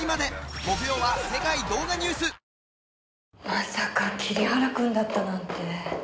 まさか桐原君だったなんて。